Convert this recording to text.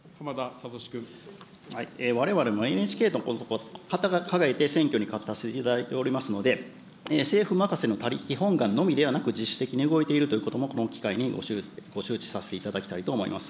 われわれもＮＨＫのことを掲げて選挙に勝たせていただいておりますので、政府任せの他力本願ではなくして、自主的に動いているということもこの機会にご周知させていただきたいと思います。